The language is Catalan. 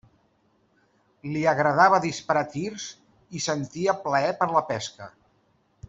Li agradava disparar tirs i sentia plaer per la pesca.